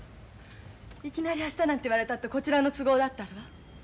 いきなり明日なんて言われたってこちらの都合だってあるわ。